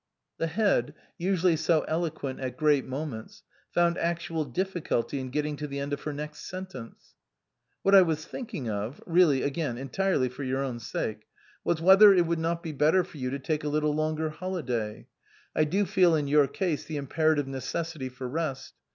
The Head, usually so eloquent at great moments, found actual difficulty in getting to the end of her next sentence. "What I was thinking of really again entirely for your own sake was whether it would not be better for you to take a little longer holiday. I do feel in your case the imperative necessity for rest.